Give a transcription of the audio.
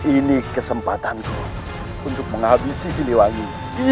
ini kesempatanku untuk menghabisi siliwangi